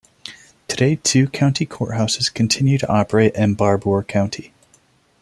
Today, two county courthouses continue to operate in Barbour County.